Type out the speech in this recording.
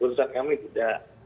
keputusan kami tidak